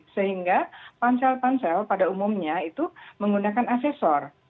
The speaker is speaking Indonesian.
sehingga ponsel ponsel pada umumnya itu menggunakan asesor